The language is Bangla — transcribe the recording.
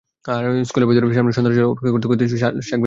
স্কুলের সামনে বসে সন্তানের জন্য অপেক্ষা করতে করতেই শাক বেছে ফেলেন।